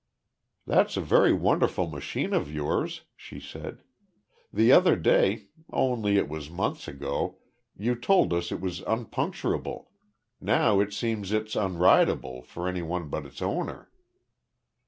"That's a very wonderful machine of yours," she said. "The other day only it was months ago you told us it was unpuncturable now it seems it's unrideable, for any one but its owner."